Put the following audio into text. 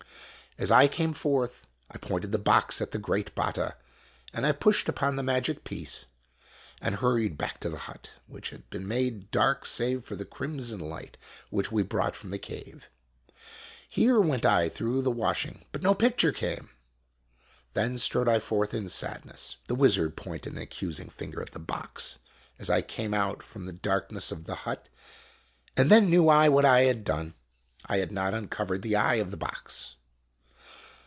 As I came forth, I pointed the box at the great Batta, and I pushed upon the magic piece, and hurried back to the hut, which had been made dark save for the crimson liodit which we brought from o o the cave. Here went I through the washing. But no picture came ! Then strode I forth in sadness. The wizard pointed an accusing finger at the box, as I came out from the darkness of the hut, and then knew I what I had done! I had not uncovered the eye of the box